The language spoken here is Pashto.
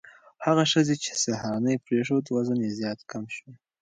هغه ښځې چې سهارنۍ پرېښوده، وزن یې زیات کم شو.